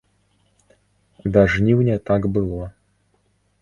Да жніўня так было.